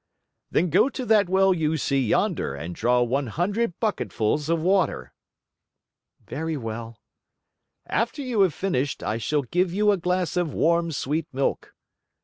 "Then go to that well you see yonder and draw one hundred bucketfuls of water." "Very well." "After you have finished, I shall give you a glass of warm sweet milk."